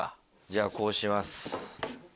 じゃあこうします。